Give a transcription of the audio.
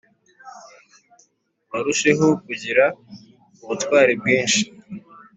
barusheho kugira ubutwari bwinshi